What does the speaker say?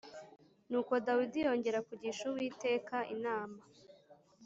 Nuko Dawidi yongera kugisha Uwiteka inama.